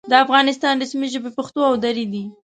د افغانستان رسمي ژبې پښتو او دري دي.